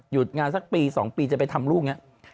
หยุดงานสักปีสองปีจะไปทำลูกอย่างนี้